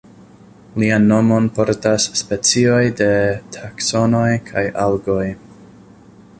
Lian nomon portas specioj de Taksonoj kaj Algoj.